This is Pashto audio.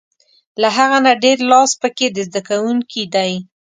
له هغه نه ډېر لاس په کې د زده کوونکي دی.